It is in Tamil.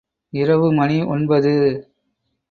இரவு மணி ஒன்பது.